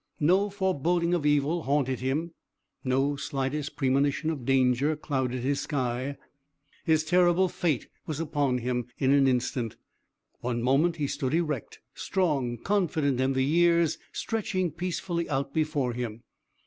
No foreboding of evil haunted him; no slightest premonition of danger clouded his sky. His terrible fate was upon him in an instant. One moment he stood erect, strong, confident in the years stretching peacefully out before him.